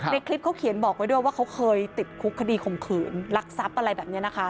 ในคลิปเขาเขียนบอกไว้ด้วยว่าเขาเคยติดคุกคดีข่มขืนลักทรัพย์อะไรแบบนี้นะคะ